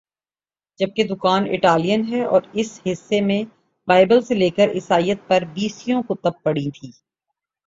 جبکہ دکان اٹالین ہے اور اس حصہ میں بائبل سے لیکر عیسائیت پر بیسیوں کتب پڑی تھیں